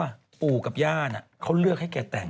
ปู่ศรีสุโธค์กับญานเขาเลือกให้แกแต่ง